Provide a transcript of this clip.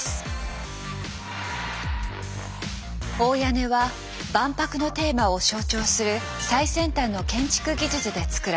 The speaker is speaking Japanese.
大屋根は万博のテーマを象徴する最先端の建築技術で造られます。